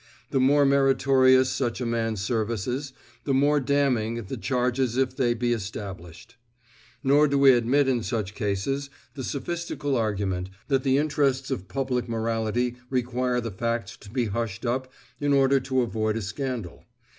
The more meritorious such a man's services, the more damning the charges if they be established. Nor do we admit in such cases the sophistical argument, that the interests of public morality require the facts to be hushed up in order to avoid a scandal.